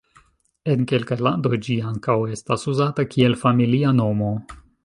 En kelkaj landoj ĝi ankaŭ estas uzata kiel familia nomo.